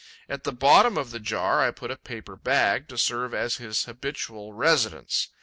At the bottom of the jar I put a paper bag, to serve as his habitual residence.